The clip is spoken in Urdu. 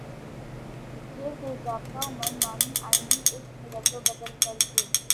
پھر بےضابطہ ومن مانی آئینی اس میں ردوبدل کرکے